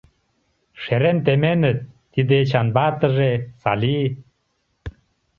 Шерем теменыт тиде Эчан ватыже, Сали...